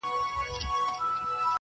• په ځان روغ وو رنګ په رنګ یې خوراکونه -